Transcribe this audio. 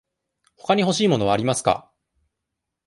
ほかに欲しい物はありますか。